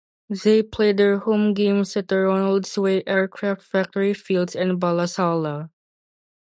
They played their home games at the Ronaldsway Aircraft Factory Fields in Ballasalla.